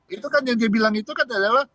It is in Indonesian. itu kan yang dia bilang itu kan adalah